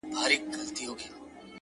گل وي ياران وي او سايه د غرمې’